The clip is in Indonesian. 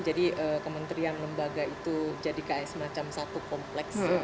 jadi kementerian lembaga itu jadi kayak semacam satu kompleks